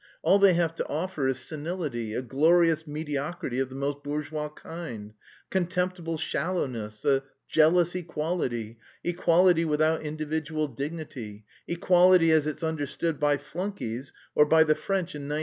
All they have to offer is senility, a glorious mediocrity of the most bourgeois kind, contemptible shallowness, a jealous equality, equality without individual dignity, equality as it's understood by flunkeys or by the French in '93.